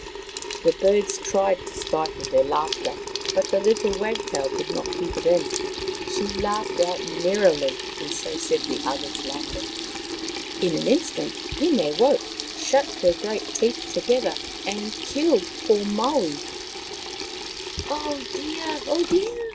The birds tried to stifle their laughter, but the little wagtail could not keep it in. She laughed out merrily, and so set the others laughing. In an instant Hine woke, shut her great teeth together, and killed poor Maui. " Oh, dear ! oh, dear